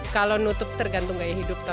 kalau nutup tergantung gaya hidup